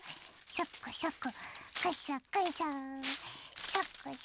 サクサク。